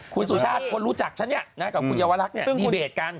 คุณสุชาติคนรู้จักฉันเนี่ยนะกับคุณเยาวรักษ์ดีเบตกัน